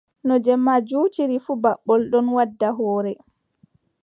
No jemma juutiri fuu, baɓɓol ɗon wadda hoore.